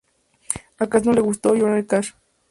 A Cash no le gusto "John R. Cash".